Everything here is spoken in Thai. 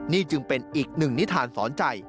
นี่จึงเป็นอีกหนึ่งนิทานสอนใจ